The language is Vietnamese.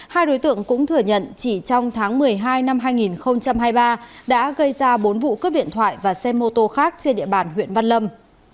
hai đối tượng cũng thừa nhận chỉ trong tháng một mươi hai năm hai nghìn hai mươi ba đã gây ra bốn vụ cướp điện thoại và xe mô tô khác trên địa bàn huyện văn lâm